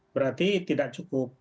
berarti tidak cukup